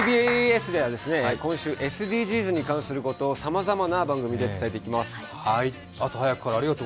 ＴＢＳでは今週、ＳＤＧｓに関することをさまざまな番組で伝えていきます。